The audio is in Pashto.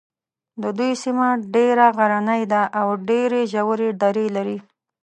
د دوی سیمه ډېره غرنۍ ده او ډېرې ژورې درې لري.